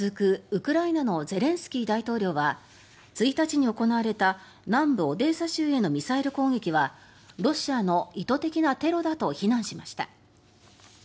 ウクライナのゼレンスキー大統領は１日に行われた南部オデーサ州へのミサイル攻撃はロシアの意図的なテロだと非難しました。